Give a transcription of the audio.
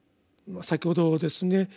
先ほどですね